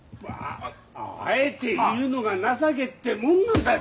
あえて言うのが情けってもんなんだよ。